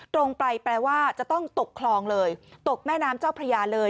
ตรงไปแปลว่าจะต้องตกคลองเลยตกแม่น้ำเจ้าพระยาเลย